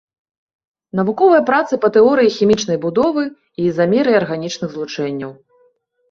Навуковыя працы па тэорыі хімічнай будовы і ізамерыі арганічных злучэнняў.